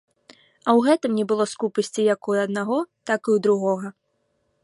А ў гэтым не было скупасці як у аднаго, так і ў другога.